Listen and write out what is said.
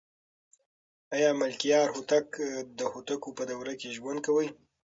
آیا ملکیار هوتک د هوتکو په دوره کې ژوند کاوه؟